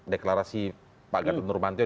deklarasi pak gatun nurmantio